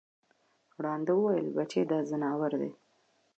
ړانده وویل بچی د ځناور دی